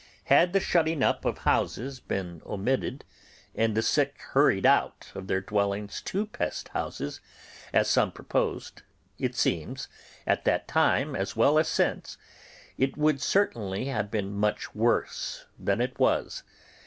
Had the shutting up of houses been omitted and the sick hurried out of their dwellings to pest houses, as some proposed, it seems, at that time as well as since, it would certainly have been much worse than it was.